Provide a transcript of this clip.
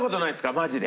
マジで。